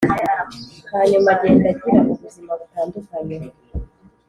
hanyuma agenda agira ubuzima butandukanye